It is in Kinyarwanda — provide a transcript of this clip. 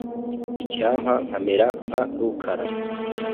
Icyampa nkamera nka Rukara .